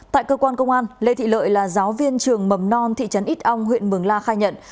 tại cơ quan công an lê thị lợi là giáo viên trường mầm non thị trấn ít ong huyện mường la khai nhận